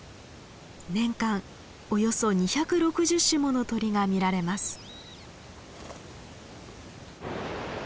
年間およそ２６０種もの鳥が見られます。